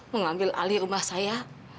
mengambil alih rumah saya